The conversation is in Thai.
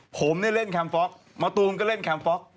ผมเล่นแคมป์ฟล็อกมาตูมก็เล่นแคมป์ฟล็อก